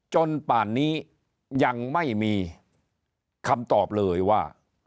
ป่านนี้ยังไม่มีคำตอบเลยว่า